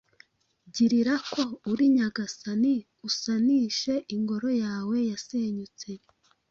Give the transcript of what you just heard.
Girira ko uri Nyagasani, usanishe Ingoro yawe yasenyutse.